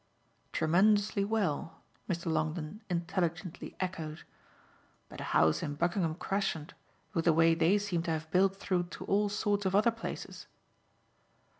"Tremendously well," Mr. Longdon intelligently echoed. "But a house in Buckingham Crescent, with the way they seem to have built through to all sorts of other places